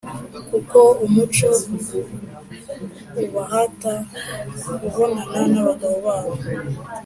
kuko umuco ubahata kubonana n’abagabo babo.